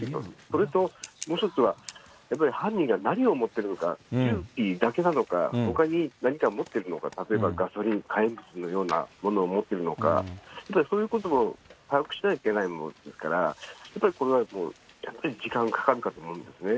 それともう一つは、やっぱり犯人が何を持っているのか、銃器だけなのか、ほかに何か持っているのか、例えばガソリン、火炎物のようなものを持っているのか、そういうことも把握しなきゃいけないものですから、やっぱり時間かかるかと思うんですね。